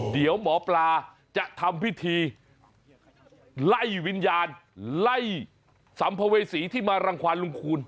เดี๋ยวหมอปลาจะทำพิธีไล่วิญญาณไล่สัมภเวษีที่มารังความลุงคูณ